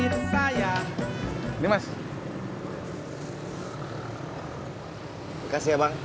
terima kasih ya bang